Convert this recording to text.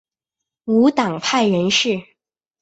无党派人士。